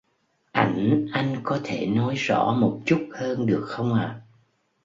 Ảnh anh có thể nói rõ một chút hơn được không ạ